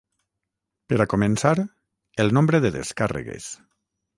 Per a començar, el nombre de descàrregues.